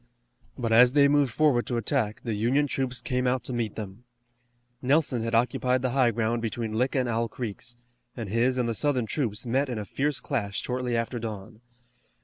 But as they moved forward to attack the Union troops came out to meet them. Nelson had occupied the high ground between Lick and Owl Creeks, and his and the Southern troops met in a fierce clash shortly after dawn.